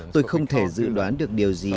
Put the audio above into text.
tôi không thể dự đoán được điều gì